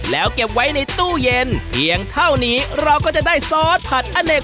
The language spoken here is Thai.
แล้วเก็บไว้ในตู้เย็นเพียงเท่านี้เราก็จะได้ซอสผัดอเนก